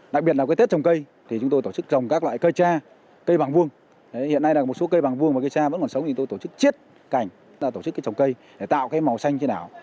hiện nay là một số cây bằng vuông và cây xa vẫn còn sống thì tôi tổ chức chiết cảnh tổ chức trồng cây để tạo màu xanh trên đảo